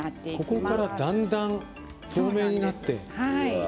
ここからだんだん透明になって。